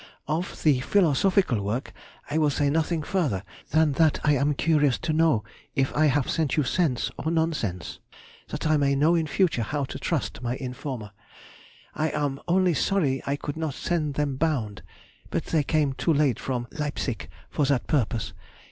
Of the philosophical work, I will say nothing further than that I am curious to know if I have sent you sense, or nonsense, that I may know in future how to trust my informer; I am only sorry I could not send them bound, but they came too late from Leipsic for that purpose.